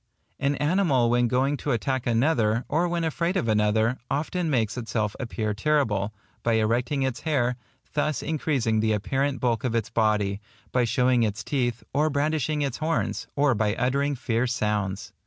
An animal when going to attack another, or when afraid of another, often makes itself appear terrible, by erecting its hair, thus increasing the apparent bulk of its body, by showing its teeth, or brandishing its horns, or by uttering fierce sounds.